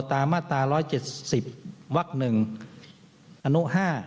ตามมาตรา๑๗๐วัก๑อนุ๕